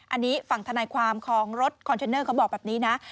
อันนี้ฝั่งธนายความของรถคอนเทนเนอร์เขาบอกแบบนี้นะ